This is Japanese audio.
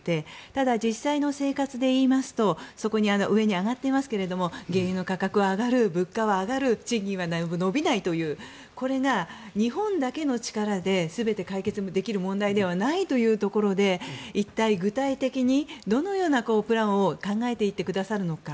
ただ、実際の生活で言いますとそこに上に上がっていますが原油価格も上がる物価も上がる賃金は伸びないということが日本だけの力で全て解決できる問題ではないというところで一体、具体的にどのようなプランを考えていってくださるのか。